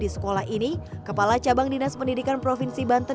di sekolah ini kepala cabang dinas pendidikan provinsi banten